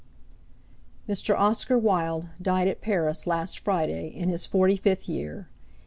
57 ESTMr. Oscar Wilde died at Paris last Friday, in his forty fifth year.